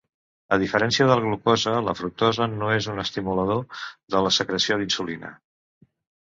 A diferència de la glucosa, la fructosa no és un estimulador de la secreció d'insulina.